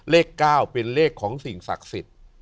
เลข๙เป็นเลขของสิ่งศักดิ์สิทธิ์